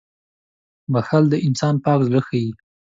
• بښل د انسان پاک زړه ښيي.